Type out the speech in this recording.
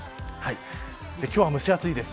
今日は蒸し暑いです。